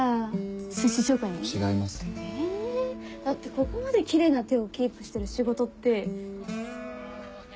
だってここまできれいな手をキープしてる仕事って。